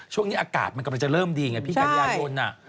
ช่วงนี้อากาศมันกำลังจะเริ่มดีไงพี่กันยายน